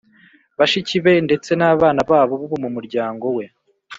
bashiki be ndetse n'abana babo bo mu muryango we